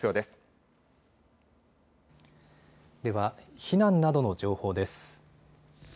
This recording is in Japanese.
では避難などの情報です。